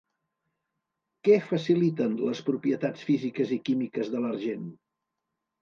Què faciliten les propietats físiques i químiques de l'argent?